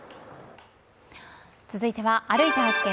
続いては「歩いて発見！